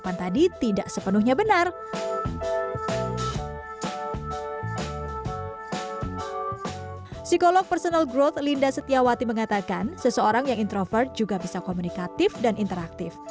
psikolog personal growth linda setiawati mengatakan seseorang yang introvert juga bisa komunikatif dan interaktif